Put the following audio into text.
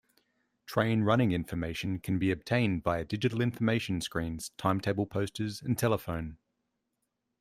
Train running information can be obtained via digital information screens, timetable posters and telephone.